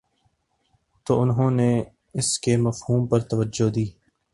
تو انہوں نے اس کے مفہوم پر توجہ دی